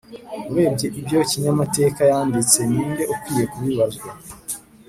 urebye ibyo kinyamatekayanditse, ninde ukwiye kubibazwa